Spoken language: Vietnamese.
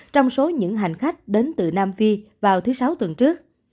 trong số những hành khách đến từ nam phi vào thứ sáu tuần trước